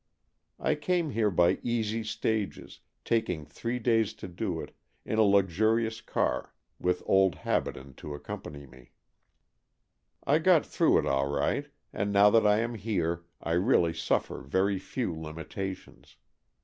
I came here by easy stages, taking three days to do it, in a luxurious car with old Habaden to accompany me. I got 246 AN EXCHANGE OF SOULS through it all right, and now that I am here I really suffer very few limitations.